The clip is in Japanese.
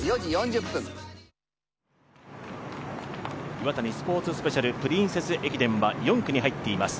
Ｉｗａｔａｎｉスポーツスペシャルプリンセス駅伝は４区に入っています。